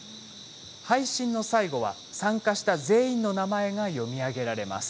配信の最後は、参加した全員の名前が読み上げられます。